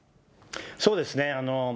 そうですね。